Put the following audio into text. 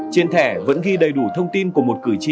trên thẻ vẫn ghi đầy đủ thông tin của một cử tri ba mươi tám tuổi